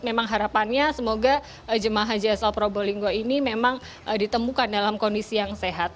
memang harapannya semoga jemaah haji asal probolinggo ini memang ditemukan dalam kondisi yang sehat